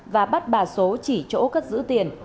và bắt bà số chỉ chỗ cất giữ tiền